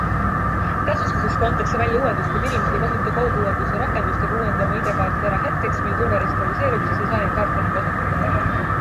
Täsustuseks, kui antakse välja uuendus, kuid inimesed ei kasuta kauguuenduse rakendust ega uuenda oma ID-kaarti ära hetkeks, mil turvarisk realiseerub, siis ei saa neid kaarte enam kasutada.